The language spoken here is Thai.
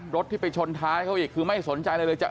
รถที่ไปชนท้ายกูไม่ให้สนใจอะไรเลย